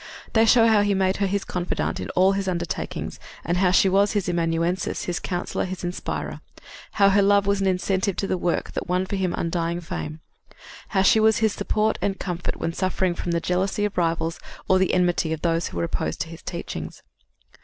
They show how he made her his confidante in all his undertakings, and how she was his amanuensis, his counselor, his inspirer; how her love was an incentive to the work that won for him undying fame; how she was his support and comfort when suffering from the jealousy of rivals or the enmity of those who were opposed to his teachings.